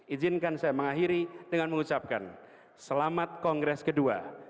izinkan saya mengakhiri dengan mengucapkan selamat kongres kedua